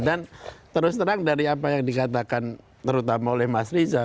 terus terang dari apa yang dikatakan terutama oleh mas riza